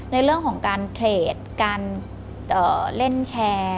ในเรื่องของการเทรดการเล่นแชร์